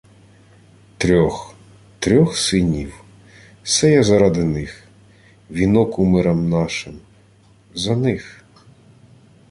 — Трьох... трьох синів. Се я заради них... Віно кумирам нашим... За них...